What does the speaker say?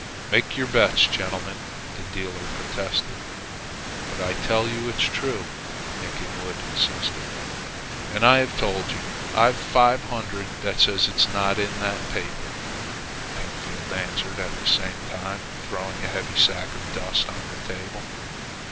"Make your bets, gentlemen," the dealer protested. "But I tell you it's true," Nick Inwood insisted. "And I have told you I've five hundred that says it's not in that paper," Pentfield answered, at the same time throwing a heavy sack of dust on the table.